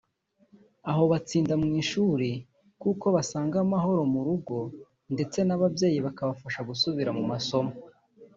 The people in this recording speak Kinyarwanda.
aho batsinda mu ishuri kuko basanga amahoro mu rugo ndetse n’ababyeyi bakabafasha gusubira mu masomo